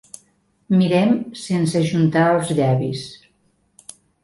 Mirem sense ajuntar els llavis.